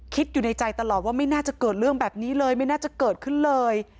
อยู่ในใจตลอดว่าไม่น่าจะเกิดเรื่องแบบนี้เลยไม่น่าจะเกิดขึ้นเลย